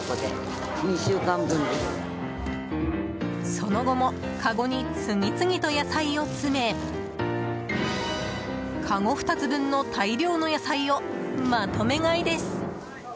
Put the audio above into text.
その後もかごに次々と野菜を詰めかご２つ分の大量の野菜をまとめ買いです。